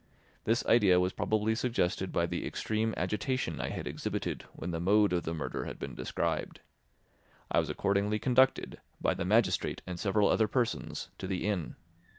This idea was probably suggested by the extreme agitation I had exhibited when the mode of the murder had been described. I was accordingly conducted, by the magistrate and several other persons, to the inn.